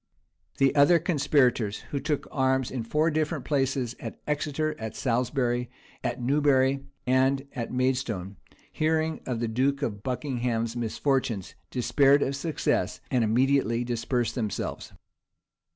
[*] The other conspirators, who took arms in four different places, at Exeter, at Salisbury, it Newbury, and at Maidstone, hearing of the duke of Buckingham's misfortunes, despaired of success, and immediately dispersed themselves.